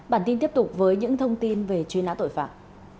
bản tin tiếp tục với những thông tin về chuyên án tội phạm